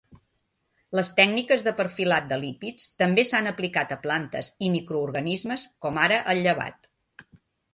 Les tècniques de perfilat de lípids també s'han aplicat a plantes i microorganismes com ara el llevat.